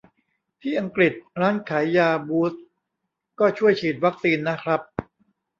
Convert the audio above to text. ที่อังกฤษ ร้านขายยาบูตส์ก็ช่วยฉีดวัคซีนนะครับ